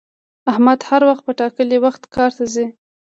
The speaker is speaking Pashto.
احمد هر وخت په ټاکلي وخت کار ته ځي